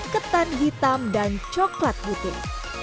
ketan hitam dan coklat putih